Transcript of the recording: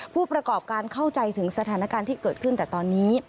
ผู้ประกอบการเข้าใจถึงสถานการณ์ที่เกิดขึ้นแต่ตอนนี้